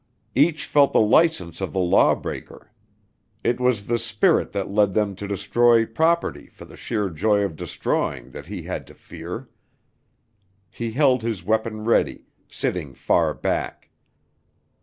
Each felt the license of the law breaker. It was the spirit that led them to destroy property for the sheer joy of destroying that he had to fear. He held his weapon ready, sitting far back.